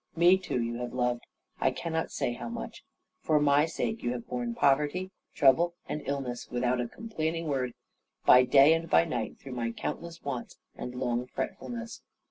Me too you have loved I cannot say how much. For my sake, you have borne poverty, trouble, and illness, without a complaining word. By day, and by night, through my countless wants, and long fretfulness."